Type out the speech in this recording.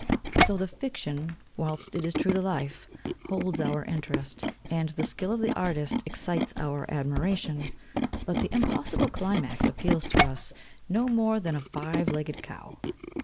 So the fiction whilst it is true to life holds our interest, and the skill of the artist excites our admiration; but the impossible climax appeals to us, no more than a five legged cow.